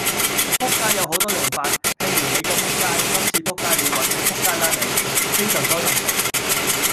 仆街有好多用法，譬如你個仆街，今次仆街了或者仆街啦你，非常多用途